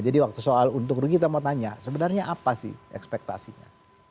jadi waktu soal untung rugi kita mau tanya sebenarnya apa sih ekspektasinya